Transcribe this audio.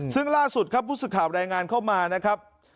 ซึ่งล่าสุดครับผู้สื่อข่าวรายงานเข้ามานะครับ